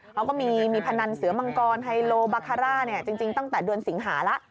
เขาก็มีพนันเสือมังกรไฮโลบาคาร่าจริงตั้งแต่เดือนสิงหาแล้ว